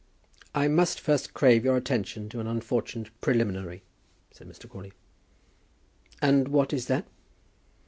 "I must first crave your attention to an unfortunate preliminary," said Mr. Crawley. "And what is that?"